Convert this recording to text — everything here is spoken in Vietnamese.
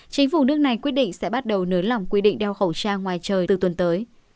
chính phủ nước này quyết định sẽ bắt đầu nới lỏng quy định đeo khẩu trang ngoài trời từ tuần tới